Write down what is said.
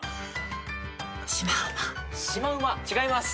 違います。